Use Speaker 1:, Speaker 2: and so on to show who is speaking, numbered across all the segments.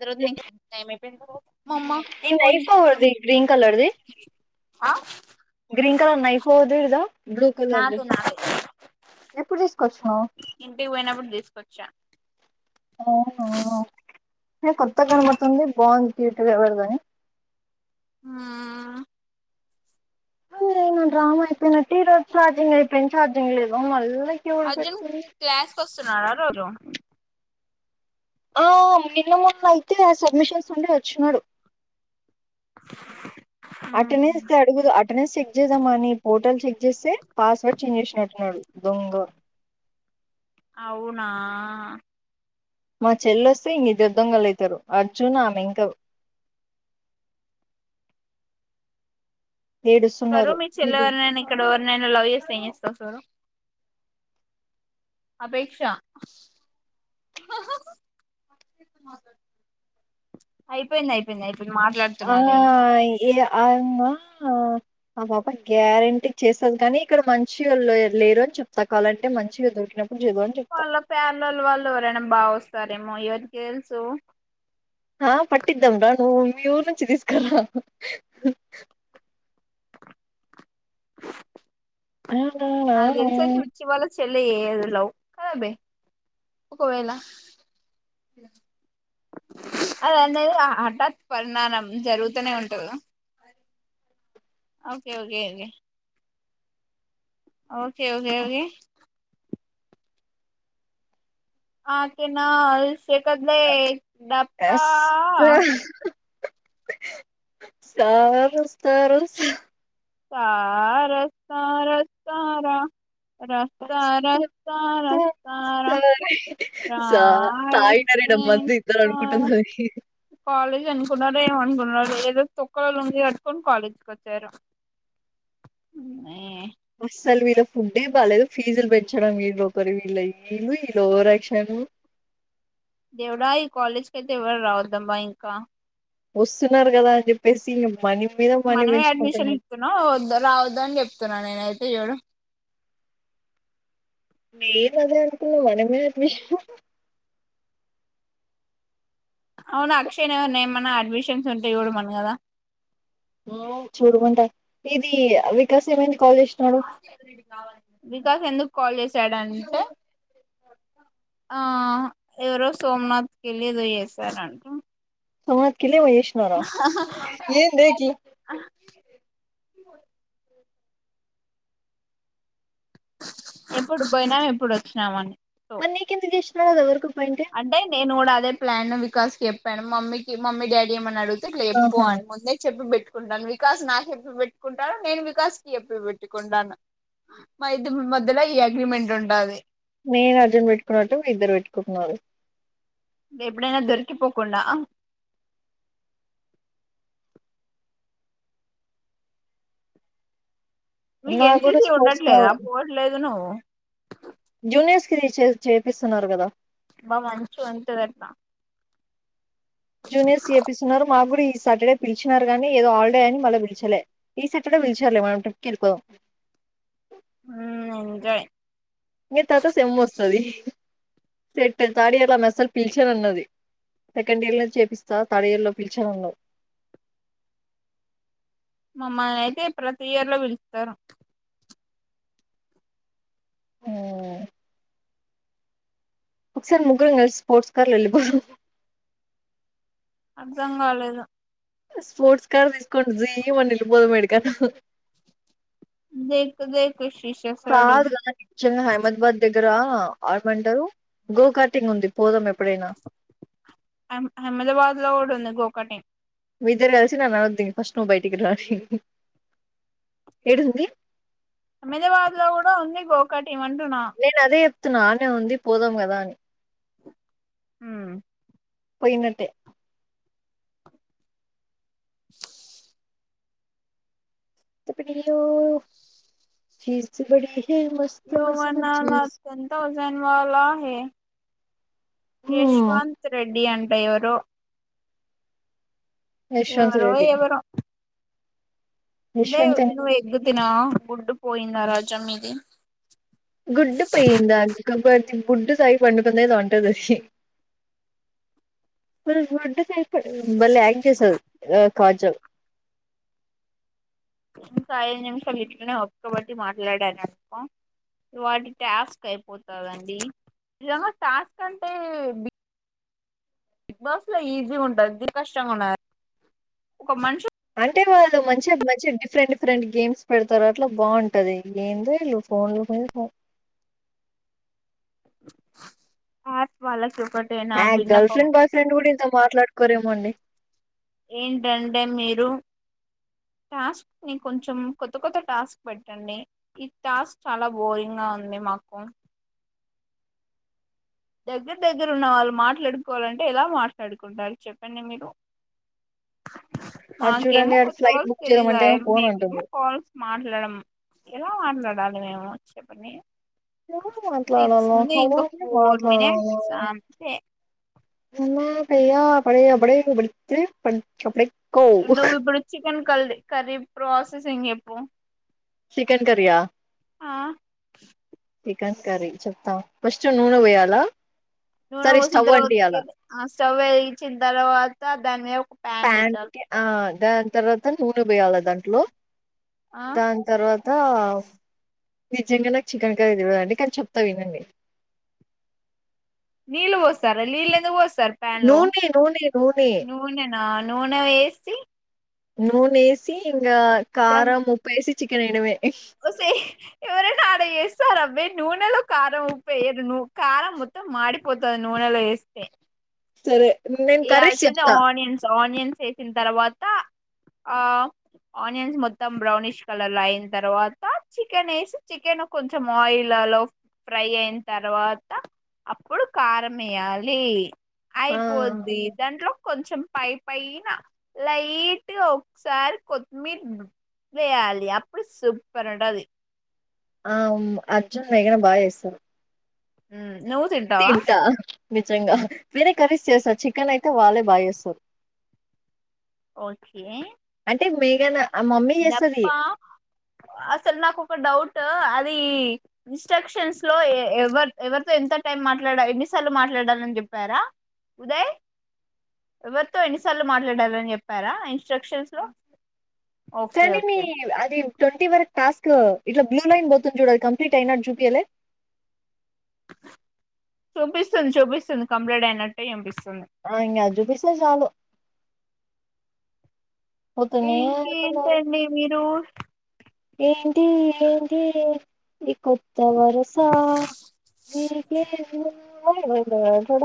Speaker 1: తర్వాత ఏమైపోయింది మామ్మ
Speaker 2: ఈ
Speaker 1: ఫోన్
Speaker 2: నైఫ్
Speaker 1: చేసు
Speaker 2: ఎవరిది గ్రీన్ కలర్ది గ్రీన్ కలర్ నైఫ్ ఎవరిది ఇదా బ్లూ కలర్ది
Speaker 1: నాదే నాదే
Speaker 2: ఎప్పుడు తీసుకొచ్చినావు
Speaker 1: ఇంటికి పోయినప్పుడు తీసుకొచ్చా
Speaker 2: ఓహో కొత్త గణమతుంది బాగుంది ట్గా ఎవడదని
Speaker 1: ఆ
Speaker 2: నేనడి రామ్ అయిపోయినట్టురోజ చఛార్జింగ్ అయిపోయింది ఛార్జింగ్ లేదు మళ్ళీ ఎవరు
Speaker 1: అర్జున్
Speaker 2: పెడుతుంది
Speaker 1: క్లాస్ క వస్తున్నా రు
Speaker 2: ఆ నిన్న మొన్న అయితే సడ్మిషన్స్ నుండి వచ్చన్నాడు అటెండెన్స్ అడుగుదు అటెండెన్స్ చెక్ చేద్దాం అని పోర్టల్ చెక్ జసే పాస్వర్డ్ చేంజ్ చేసినట్టున్నాడు దొంగ
Speaker 1: అవునా
Speaker 2: మా చెల్లుస్తే ఇ ఇదిర్థం కలుగుతారు అర్జున్ ఆమె ఇంక ఏడు సన్నారు
Speaker 1: నేను లవ్ చేస్తే ఏం [unintelligible] రు అపేక్ష అయిపోయింది అయిపోయింది అయిపో
Speaker 2: ఆ యా ఆ [unintelligible] ఆ పాప గ్యారెంటీ చేస్తది కానీ ఇక్కడ మంచిగా లేరు అని చెప్తా కావాలంటే మంచిగా దొరికినప్పు
Speaker 1: వాళ్ళ పేర్లలు వాళ్ళు ఎవరైనా బా వస్త వస్తారేమో ఇవరికి తెలుసు
Speaker 2: ఆ పట్టిద్దాం దా నువ్ మీ ఊరు నుంచి తీసుకురా
Speaker 1: ఆమేకి తెలుసే [unintelligible] వాళ్ళ చెల్లి చేసేది లవ్ కాదే ఒకవేళ అది అంతేలేరా హఠాత్ పరిణానం జరుగుతూనే ఉంటంది okay okay okay okay okay okay ఆకెనాల్స్ శకత్లే డప్పా
Speaker 2: సారోస్తరోస్తారా
Speaker 1: సారోస్తారోస్తారా రొస్తా రొస్తా రొస్తా రా
Speaker 2: సా
Speaker 1: సార్
Speaker 2: తాగిన
Speaker 1: వచ్చి
Speaker 2: రెండు మంది ఇద్దరు
Speaker 1: ఇస్తారా
Speaker 2: అనుకుంటుంది అది
Speaker 1: కాలేజ్ అనుకున్నారా ఏమనుకున్నరు వాడు ఏదో తొక్కలో లుంగీ అట్టుకని కాలేజ్ కి వచ్చారు. మే
Speaker 2: అస్సలు వీళ్ళ ఫుడ్ఏ బాలలేదు ఫీజులు పెంచడం వీళ్ళ ఒకరు వీళ్ళు వీళ్లు వీళ ఓవరాక్షన్లు
Speaker 1: దేవుడా ఈ కాలేజ్ కైతే ఎవరు రావద్దమ్మా ఇంకా
Speaker 2: వస్తున్నారు కదా అని చెప్పేసీ
Speaker 1: మనమే అడ్మిషన్ ఇస్తున్నావు వద్ద రావద్ద అని చెప్తున్నా నేనైతే చూడు
Speaker 2: నేను అదే అనుకున్నా మనమే అడ్మిషన్
Speaker 1: అవునా అక్షయ్న్ నేమన్నా అడ్మిషన్స్ ఉంటాయి చూడమని కదా
Speaker 2: ఇది వికాసమైన కాలేజ్
Speaker 1: ఆస్తి ఇప్పుడు ఈడికి కావాలి. వికాస్ ఎందుకు కాల్ చేశాడంటే ఆ ఎవరో సోమనాథ్కి వెళ్ళి ఏదో చేశారంట
Speaker 2: సమత్ కిలో వేయి కృష్ణార ఏన్ బేకి
Speaker 1: ూ ఎప్పుడు పోయినాం ఎప్పుడు వచ్చినామని సో
Speaker 2: మరి నీకెందుకు ఇష్టం లేద్ ఎవరుకు
Speaker 1: అంటే నేను నోడదే ప్లాన్ ను వికాస్ కు చెప్పాను మమ్మీకి మమ్మీ డాడీ ఏమని అడుగుత లేదుపో
Speaker 2: ఆహా
Speaker 1: ఆడ ముందే చెప్పి పెట్టుకుంటే ఇప్పుడు నన్ను వికాస్ నాకు చెప్పి పెట్టుకుంటాను నేను వికాస్ కి చెప్పి పెట్టుకుంటాను మా ఇద్దరి మధ్యలో ఈ అగ్రిమెంట్ ఉంటాది.
Speaker 2: నేను అర్జున్ పెట్టుకునన్నట్టు ఇద్దరు పెట్టుకు కుట్టినారు
Speaker 1: ఇకా ఎప్పుడనా దొరికిపోకుండాడా మీీకు
Speaker 2: నాకు కూడా
Speaker 1: ఎన్సిసీ
Speaker 2: స్పోర్ట్స్
Speaker 1: ఉండట్లేదా
Speaker 2: కావాలి
Speaker 1: పోవట్లేదు నువ్వు
Speaker 2: క్రీ చే చేపిస్తున్నారు కదా
Speaker 1: బా మంచు అతుదట్
Speaker 2: జునిర్ సి ఎపిపీ స ఉన మాగడి సాటర్డే పిలిచినారు గానీ ఏదో హాలిడే అని మళ్ళీ పిలిచలే ఈ సాటర్డే పిలిచలే మన ఇకిెళ్ళాం
Speaker 1: ఉ ఎంట
Speaker 2: ఇంక తర్వాత సెమ్ వస్తది సెట్ థర్డ్ ఇయర్ లోమె అస్సలు పిలిచాను అన్నది సెకండ్ ఇయర్ లో చేపిస్తా థర్డ్ ఇయర్ లో పిలిచాను అన్నది
Speaker 1: మామ్మని అయితే ప్రతి ఇయర్ లో పిలుస్తారు
Speaker 2: ఓ ఒకసారి ముగ్గురు నల్సి స్పోర్ట్స్ కార్లు వెలుిపోరు
Speaker 1: అర్థం కాలేదు
Speaker 2: స్పోర్ట్స్ కార్ తీసుకుంట జ మం పోదు మేడి కను
Speaker 1: ద ద
Speaker 2: కా గచ్చ హైమదబద్ దగ్గర ఆడమంటారు గో కార్టింగ్ ఉంది పోదం
Speaker 1: అహ్మదాబాద్ లో కూడా ఉంది గ ఒకటిే
Speaker 2: మీదరు కలిసి న నాదు ఫస్ట్ బయటికి ఏడుంది
Speaker 1: మద వాజలా ఉంది గో కటి వంటన్నా
Speaker 2: నానే ఉంది పోదాం కదా అని
Speaker 1: హ
Speaker 2: పోయినట్టే త పనిరి చీజ బడిీ
Speaker 1: యవనా హథన్ ౌజన్ వాళ హ
Speaker 2: హ్మ్
Speaker 1: యశ్వంత్ రెడ్డి అంటే అడరు
Speaker 2: యశ్వంత్
Speaker 1: ఎవరు
Speaker 2: రెడ్డి
Speaker 1: ఎవరు దదే
Speaker 2: యశ్వంత్ అని
Speaker 1: ఇను ఎగు దినా గుడ్డు పోయింద రాజా మీది
Speaker 2: గుడ్ పైందబ గుుడ్డు సై పడు పంద తోంటంది గుడ్ ప బలే యాక్ట్ చేసావ్ కాజక్
Speaker 1: ఇంకా ఐదు నిమిషాలు ఇట్లనే ఒక్కబట్టి మాట్లాడాను అనుకో వాటి టాస్క్ అయిపోతదండి నిజంగా టాస్క్ అంటే బి బిగ్ బాస్ లో ఈజీగా ఉంటంది ది కష్టంగా ఉన్నారు ఒక మనిషి
Speaker 2: అంటే వాళ్ళు మంచిగా మంచిగా డిఫరెంట్ డిఫరెంట్ గేమ్స్ పెడతారు అట్లా బాగుంటది ఏంది వీళ్లు ఫోన్లు
Speaker 1: [unintelligible] వాళ్ళకు
Speaker 2: ఆ గర్ల్ ఫ్రెండ్ బయ్ ఫ్రెండ్ కూడా ఇంత మాట్లాడు కురే మండి
Speaker 1: ఏంటంటే మీరు టాస్క్ ని కొంచెం కొత్త కొత్త టాస్క్ పెట్టండి ఈ టాస్క్ చాలా బోరింగ్గా ఉంది మాకు దగ్గర దగ్గర ఉన్న వాళ్ళు మాట్లాడుకోవాలంటే ఎలా మాట్లాడుకుంటారు చెప్పండి మీరు
Speaker 2: అటు చూడండి
Speaker 1: మాకేమో
Speaker 2: అటు
Speaker 1: కొత్త
Speaker 2: ఫ్లైట్
Speaker 1: వాళ్ళు
Speaker 2: బుక్ చేయమంటే
Speaker 1: తెలిదుాయ
Speaker 2: ఏమో ఫోన్
Speaker 1: మేమేమో
Speaker 2: అంటుంది
Speaker 1: కాల్స్ర్ ఎలా మాట్లాడాలి మేము చెప్పండి
Speaker 2: చ మాట్లాడలో మా
Speaker 1: మే శాంతి
Speaker 2: పయ్యా అ పడ పడే పడు ప అప్పుడ
Speaker 1: నువ్ ఇప్పుడు చికెన్ కల్ కర్రీ ప్రాస సింగ్ ఎప్పు
Speaker 2: చికెన్ కర్రీయా
Speaker 1: ఆ
Speaker 2: చికెన్ కర్రీ చెప్తా ఫస్ట్ నూన పోయ్యాల
Speaker 1: నూనె పోసిన తర్వాత స్టవ్ వెలిగించిన తర్వాత దాని మీద ప్యాన్
Speaker 2: పాన్
Speaker 1: పెట్టాలి
Speaker 2: కే ఆ దాని తర్వా త్ నూనె పొయ్యాల దాంట్లో
Speaker 1: ఆ
Speaker 2: దాని తర్వా త నిజంగా నా చికెన్ కర్రీ అందుకే కానీ చెప్తా వినండి.
Speaker 1: నీళ్ళు పోస్తారా లీళ్ళెందు పోస్ తర్ పాన్ లో
Speaker 2: నూనె నూనె నూనె
Speaker 1: నూనెనా నూనె వేసి
Speaker 2: నూనేసి ఇంగ కారం ఉప్పేసి చికెన్ వేయడమే
Speaker 1: ఓసే ఎవరనా ఆడ ఏస్సారమే నూనెలో కారం ఉప్పు వేయరు ను కారం మొత్తం మాడి పోతది నూనెలో వేస్తే
Speaker 2: సరే నేను కర్రీస్
Speaker 1: ఏయాల్సింది
Speaker 2: చెప్తా
Speaker 1: అనియన్స్ అనియన్స్ చేయ్ దీని తర్వాత ఆ ఆనియన్స్ మొత్తం బ్రౌనిష్ కలర్ లో అయిన తర్వాత చికెన్ వేసి చికెన్ కొంచెం ఆయిల్ లలో ఫ్రై అయిన తర్వాత అప్పుడు కారం వేయాలి. ఆయి
Speaker 2: ఆ
Speaker 1: పోద్ది దాంట్లో కొంచెం పై పైనా లైట్ గా ఒకసారి కొత్తిమీర్ వేయాలి అప్పుడు సూప్పర్ ఉంటాది.
Speaker 2: ఆమ్ అర్జున్ మేగన బాగా చేస్సారు
Speaker 1: ఉమ్ నువ్వు తింటావా
Speaker 2: నిజంగా వేనేే కర్రీస్ చేస్తారు చికెన్ అయితే వాళ్ళే బాగా చేేస్తారు
Speaker 1: ఓకే
Speaker 2: అతే మేఘనా
Speaker 1: దప్ప అసలు నాకు ఒక డౌట్ అది ఇన్స్ట్రక్షన్స్ లో ఎవ ఎవరితో ఎంత టైం మాట్లాడ ఎన్నిసార్లు మాట్లాడాలని చెప్పారా ఉదయ్ ఎవరితో ఎన్నిసార్లు మాట్లాడాలని చెప్పారా ఇన్స్ట్రక్షన్స్ లో ఓకే
Speaker 2: కానీ మీ
Speaker 1: ఓకే
Speaker 2: అది ట్వీ వర్ టాస్క్ ఇ బ్లూలైన్ బతుడాల కంప్లీట్ అయినా జూపి
Speaker 1: చూపిస్తుంది చూపిస్తుంది కంప్లీట్ అయినట్టటు చంపిస్తుంది
Speaker 2: ఆ అజు విశేషాలు పోతూనే ఉన్నది
Speaker 1: ఇంకేంటండి మీరు
Speaker 2: ఏంటి ఏంటి ఇకత్త వరుస మీగ ోడ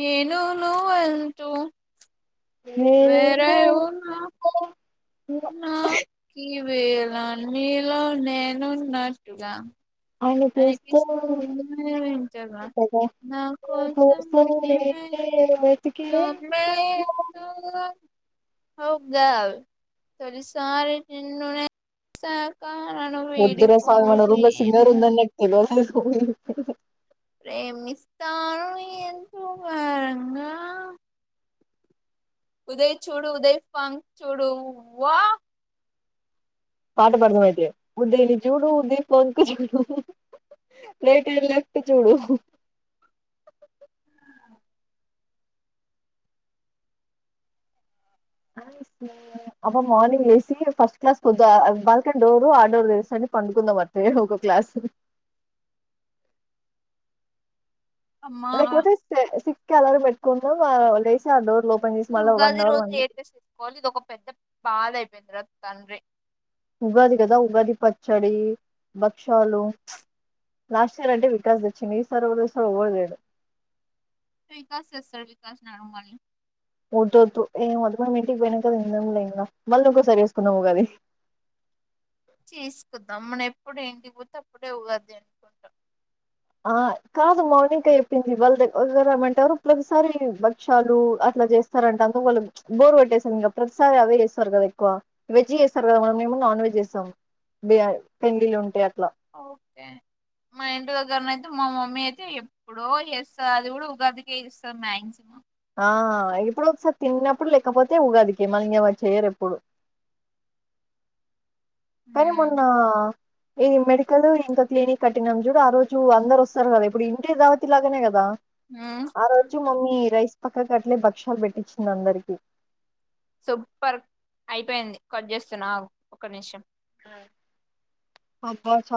Speaker 1: నేను నువ ఎంటూ వేర
Speaker 2: వేరేగా
Speaker 1: ఏనా నా క వేలా మీలో నేనున్నట్టుగా
Speaker 2: అ పస్త
Speaker 1: అలకిస్తూ ఉన్నది వింతగా నా నమే త హదా చలి సారి
Speaker 2: వద్దిర సాగువన రంద సింగర్
Speaker 1: ఏమో
Speaker 2: ఉందాని నెట్టివ
Speaker 1: ప్రేమిస్తాను ఎంతో వరంగా ఉదయ్ చూడు ఉదయ్ ఫం చూడు వా
Speaker 2: పాట పడదాం అయితే ఉ ద చూడు ఉది ఫోన్ కు చూడు రైట్ అండ్ లెఫ్ట్ చూడు అబ్ మార్నింగ్ వేసి ఫస్ట్ క్లాస్ కొద్దు బాల్కనీ డోర్ ఆట్ డోర్ వని పండుకుందాం అట్టే ఒక క్లాస్
Speaker 1: అమ్మా
Speaker 2: మ కొ ఎలరు పెట్కుం లేసోర్ లో
Speaker 1: అసలు ఉగాది రోజు ఏయిటెస్ేసుకోవాలి ఇది ఒక పెద్ద బాధ అయిపోయింది తర్వాత తండ్రి
Speaker 2: ఉగాది కదా ఉగాది పచ్చడి భక్షాలు లాస్ట్ ఇయర్ అంటే వికాాస్ తెచ్చింది ఈ సారి ఎవర్ తెస్తారు ఎవరతెరు.
Speaker 1: వికాస్ తెస్తాడు వికాస్ ని అడుగు మల్లి
Speaker 2: వద్దొద్దు నే అడగ మీ ఇంటికి పోయినాక ఉండదు లే ఇంగ మళ్లీ ఇంకోసారి చేసుకుందాం ఉగాది
Speaker 1: చెసుకుద్దాం మనం ఎప్పుడ ఇంటికి పోతే అప్పుడే ఉగాది జరుపుకుందాం
Speaker 2: ఆ కాదు మౌని క చెప్పింది బయటకు పోదామని [unintelligible] క్షాలు అట్లా చేస్త్ సరే అంట అందువలనే బోర్ కొట్టేసింది కదా ప్రతిసారి అదే చేస్తరు కదా ఎక్కువ వెజ్ చేస్తారు కదా మనం ఏమో నాన్ వెజ్ సాం పెంగలు ఉంటాయి అట్లా
Speaker 1: ఓకే మా ఇంటి దగ్గరన అయితే మా మమ్మీ అయితే ఎప్పుడో చేస్తది అది కూడా ఉగాదికి చేస్తది మాక్సిమం.
Speaker 2: ఆ ఇప్పుడు సో తినన్నప్పుడు లెక్ కాకపోతే ఉగాదికి మళ్లీ అలా చేయరు అప్పుడు కానీ మొన్న
Speaker 1: ఉమ్
Speaker 2: ఇది మెడికల్ ఇంకా క్లినిక్ కట్టినాం చూడు ఆ రోజు అందరు వస్తారు కదా ఇప్పుడు ఇంటి దావత్ లాగానే కదా
Speaker 1: మ్మ్
Speaker 2: ఆ రోజు మమ్మీ రైస్ పక్క కట్టలే భక్షలు పెట్టించి అందరికీ
Speaker 1: సూపర్ అయిపోయింది కట్ చేస్తున్నా ఆగు ఒక నిమిషం
Speaker 2: అ అబ్బ చ